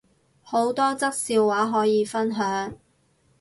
好多則笑話可以分享